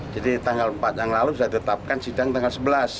jadi tanggal empat yang lalu sudah ditetapkan sidang tanggal sebelas